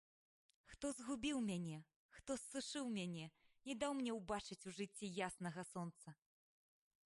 Хто згубіў мяне, хто ссушыў мяне, не даў мне ўбачыць у жыцці яснага сонца?